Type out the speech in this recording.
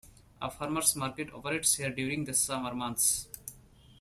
A farmers' market operates here during the summer months.